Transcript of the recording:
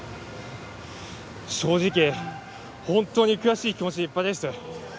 正直本当に悔しい気持ちでいっぱいです。